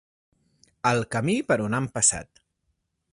El camí per on han passat.